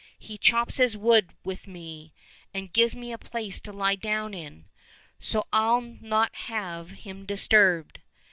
He chops his wood with me, and gives me a place to lie down in ; so I'll not have him disturbed."